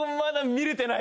見れてない。